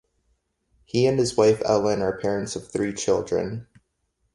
He and his wife Ellen are parents of three children.